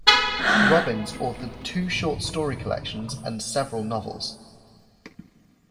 Robbins authored two short story collections and several novels.